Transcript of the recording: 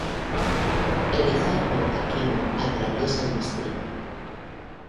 Elizardo Aquino", atraviesa el distrito.